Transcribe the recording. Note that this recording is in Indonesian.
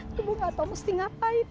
itu bu gak tahu mesti ngapain